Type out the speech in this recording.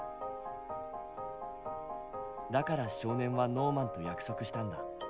だから少年はノーマンと約束したんだ。